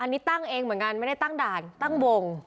อันนี้ตั้งเองเหมือนกันไม่ได้ตั้งด่านตั้งวง